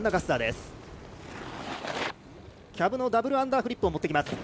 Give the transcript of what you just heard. キャブのダブルアンダーフリップ。